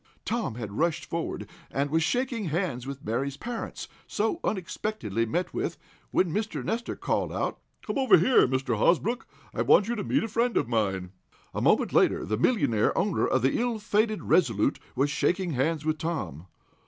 Tom had rushed forward, and was shaking hands with Mary's parents, so unexpectedly met with, when Mr. Nestor called out: "Come over here, Mr. Hosbrook. I want you to meet a friend of mine." A moment later, the millionaire owner of the ill fated RESOLUTE was shaking hands with Tom.